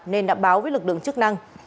nên đã báo với lực lượng chức năng